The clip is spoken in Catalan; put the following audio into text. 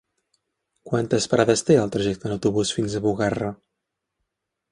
Quantes parades té el trajecte en autobús fins a Bugarra?